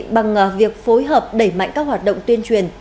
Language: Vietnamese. bằng việc phối hợp đẩy mạnh các hoạt động tuyên truyền